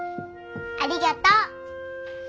ありがとう。